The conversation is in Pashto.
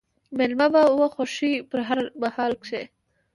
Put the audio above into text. مېلمنه به وه خوښي په هر محل کښي